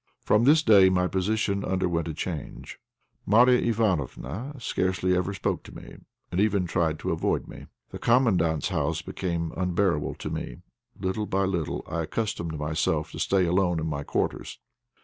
From this day my position underwent a change. Marya Ivánofna scarcely ever spoke to me, and even tried to avoid me. The Commandant's house became unbearable to me; little by little I accustomed myself to stay alone in my quarters.